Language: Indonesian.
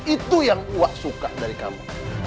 itu yang uah suka dari kamu